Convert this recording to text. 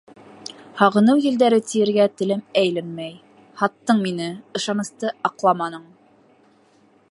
Һағыныу елдәре тиергә телем әйләнмәй. һаттың мине, ышанысты аҡламаның.